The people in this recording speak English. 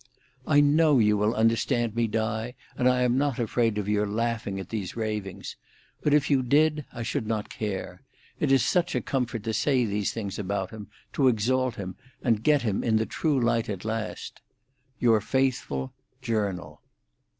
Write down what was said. "I know you will understand me, Di, and I am not afraid of your laughing at these ravings. But if you did I should not care. It is such a comfort to say these things about him, to exalt him, and get him in the true light at last. "Your faithful JOURNAL.